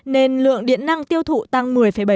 nên lượng điện năng tiêu thụ tăng một mươi bảy